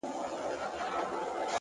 • د هغه ږغ د هر چا زړه خپلوي؛